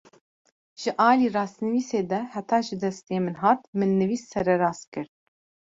Ji alî rastnivîsê de heta ji destê min hat, min nivîs sererast kir